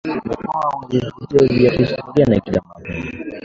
mkoa una vivutio vya kihistoria na kitamaduni